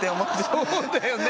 そうだよね。